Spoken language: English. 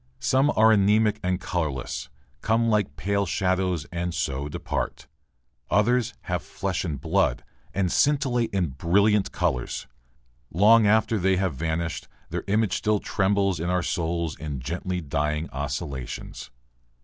Some are anemic and colourless, come like pale shadows and so depart. Others have flesh and blood and scintillate in brilliant colours. Long after they have vanished, their image still trembles in our souls in gently dying oscillations.